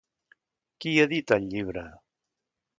Qui edita el llibre?